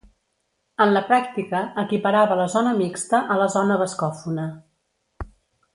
En la pràctica equiparava la zona mixta a la zona bascòfona.